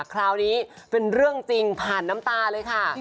คราวนี้เป็นเรื่องจริงผ่านน้ำตาเลยค่ะ